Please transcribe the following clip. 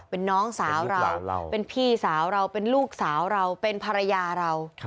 เป็นน้องสาวเราเป็นพี่สาวเราเป็นลูกสาวเราเป็นภรรยาเรา